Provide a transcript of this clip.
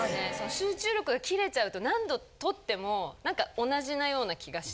集中力が切れちゃうと何度録っても何か同じなような気がして。